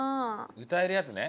歌えるやつね。